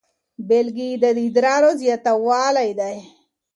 بیلګې یې د ادرار زیاتوالی دی.